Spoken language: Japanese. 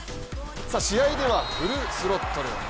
試合ではフルスロットル。